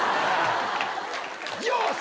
よし！